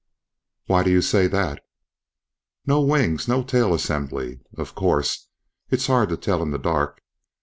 "Why do you say that?" "No wings, no tail assembly. Of course, it's hard to tell in the dark.